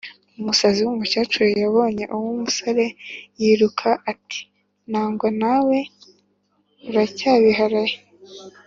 Umusazi w’umukecuru yabonye uw’umusore yiruka ati nangwa nawe uracyabiharaye.